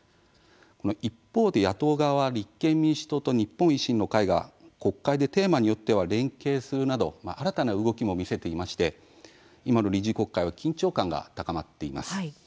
一方で野党側は、立憲民主党と日本維新の会が国会でテーマによっては連携するなど新たな動きも見せていまして今の臨時国会は緊張感が高まっています。